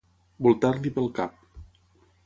Voltar-l'hi pel cap.